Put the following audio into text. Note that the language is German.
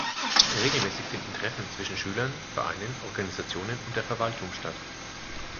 Regelmäßig finden Treffen zwischen Schülern, Vereinen, Organisationen und der Verwaltung statt.